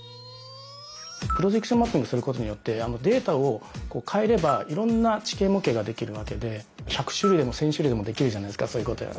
プロジェクションマッピングすることによってデータを変えればいろんな地形模型ができるわけで１００種類でも１，０００種類でもできるじゃないですか。